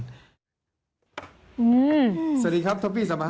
สวัสดีครับท็อฟฟี่สวัสดีครับ